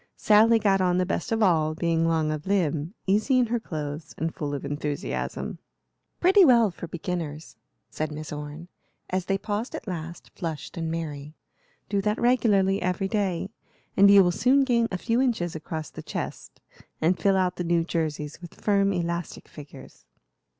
Sally got on the best of all, being long of limb, easy in her clothes, and full of enthusiasm. "Pretty well for beginners," said Miss Orne, as they paused at last, flushed and merry. "Do that regularly every day, and you will soon gain a few inches across the chest and fill out the new jerseys with firm, elastic figures."